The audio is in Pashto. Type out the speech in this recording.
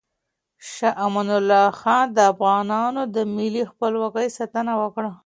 شاه امان الله خان د افغانانو د ملي خپلواکۍ ساتنه وکړه.